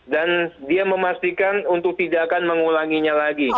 dan dia memastikan untuk tidak akan mengulanginya lagi